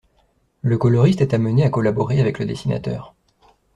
Le coloriste est amené à collaborer avec le dessinateur.